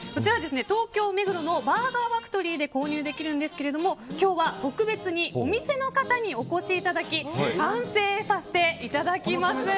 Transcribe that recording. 東京・目黒のＢｕｒｇｅｒＦａｃｔｏｒｙで購入できるんですけれども今日は特別にお店の方にお越しいただき完成させていただきます。